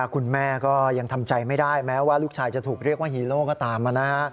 คุณแม่ก็ยังทำใจไม่ได้แม้ว่าลูกชายจะถูกเรียกว่าฮีโร่ก็ตามนะฮะ